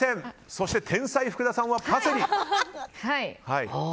そして天才・福田さんはパセリ。